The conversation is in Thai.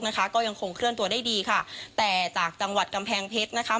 นะคะก็ยังคงเคลื่อนตัวได้ดีค่ะแต่จากจังหวัดกำแพงเพชรนะคะ